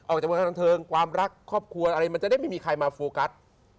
ออกจากวงการบันเทิงความรักครอบครัวอะไรมันจะได้ไม่มีใครมาโฟกัส